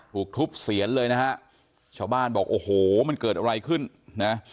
ถูกทุบเสียนเลยนะฮะชาวบ้านบอกโอ้โหมันเกิดอะไรขึ้นนะ